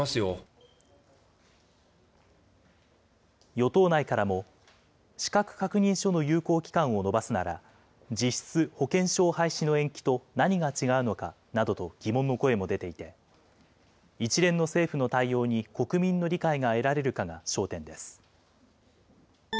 与党内からも、資格確認書の有効期間を延ばすなら、実質、保険証廃止の延期と何が違うのかなどと疑問の声も出ていて、一連の政府の対応に国民の理解が得られるかが焦点です。